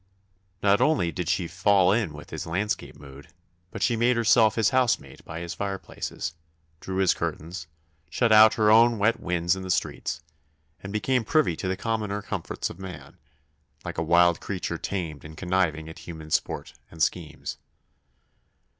Not only did she fall in with his landscape mood, but she made herself his housemate by his fireplaces, drew his curtains, shut out her own wet winds in the streets, and became privy to the commoner comforts of man, like a wild creature tamed and conniving at human sport and schemes.